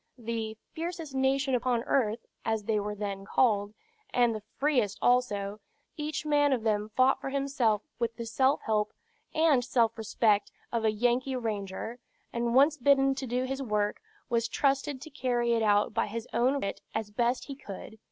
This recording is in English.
The "fiercest nation upon earth," as they were then called, and the freest also, each man of them fought for himself with the self help and self respect of a Yankee ranger, and once bidden to do his work, was trusted to carry it out by his own wit as best he could.